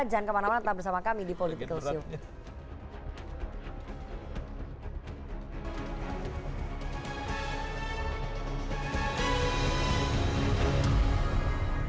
jangan kemana mana tetap bersama kami di political show